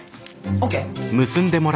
ＯＫ？